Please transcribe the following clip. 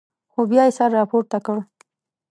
خو بیا یې سر راپورته کړ.